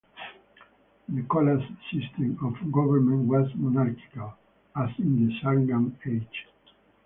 The Cholas' system of government was monarchical, as in the Sangam age.